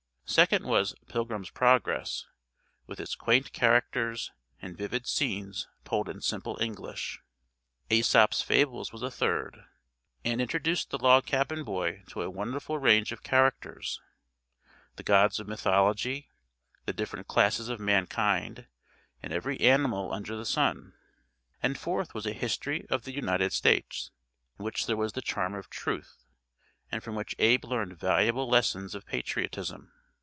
Second was "Pilgrim's Progress," with its quaint characters and vivid scenes told in simple English. "Æsop's Fables" was a third, and introduced the log cabin boy to a wonderful range of characters the gods of mythology, the different classes of mankind, and every animal under the sun; and fourth was a History of the United States, in which there was the charm of truth, and from which Abe learned valuable lessons of patriotism.